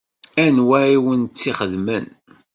Anwa i wen-tt-ixedmen?